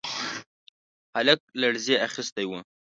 هلک لړزې اخيستی و.